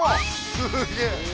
すげえ！